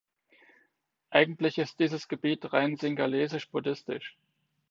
Eigentlich ist dieses Gebiet rein singhalesisch-buddhistisch.